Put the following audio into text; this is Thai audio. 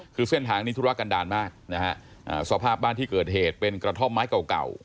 คือเส้นทางนี้ธุระกันดาลมากนะฮะสภาพบ้านที่เกิดเหตุเป็นกระท่อมไม้เก่าเก่า